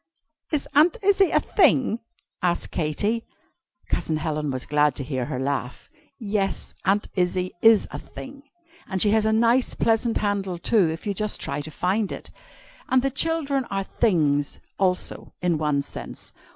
"Is Aunt Izzie a 'thing?'" asked Katy. Cousin Helen was glad to hear her laugh. "Yes Aunt Izzie is a thing and she has a nice pleasant handle too, if you just try to find it. And the children are 'things,' also, in one sense.